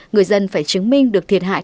người dân phải chứng minh được thiệt hại